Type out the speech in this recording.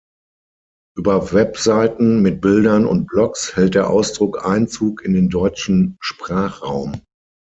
Über Webseiten mit Bildern und Blogs hält der Ausdruck Einzug in den deutschen Sprachraum.